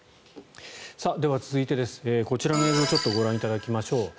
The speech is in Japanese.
では、続いて、こちらの映像をご覧いただきましょう。